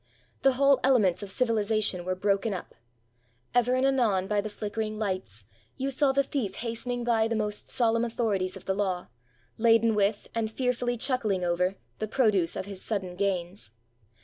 The whole elements of civilization were broken up. Ever and anon, by the flickering lights, you saw the thief hastening by the most solemn authorities of the law, laden with, and fearfully chuckling over, the produce of his sudden gains.